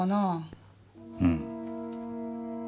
うん。